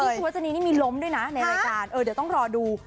พี่กิ๊กสุวรรษณีย์มีล้มด้วยนะในรายการเดี๋ยวต้องรอดู